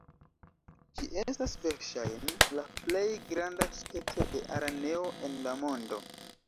Ĝi estas verŝajne la plej granda speco de araneo en la mondo.